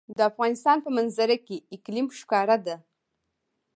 د افغانستان په منظره کې اقلیم ښکاره ده.